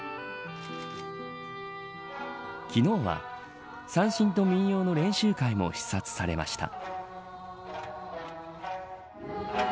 昨日は、三線と民謡の練習会も視察されました。